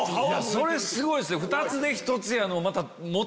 それすごいっすね！